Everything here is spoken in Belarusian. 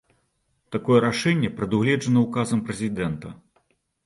Такое рашэнне прадугледжана ўказам прэзідэнта.